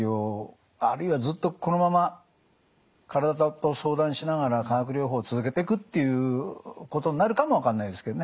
あるいはずっとこのまま体と相談しながら化学療法を続けてくっていうことになるかも分かんないですけどね。